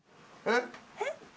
えっ？